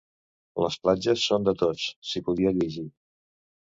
Les platges són de tots, s’hi podia llegir.